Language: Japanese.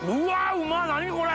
うま何これ！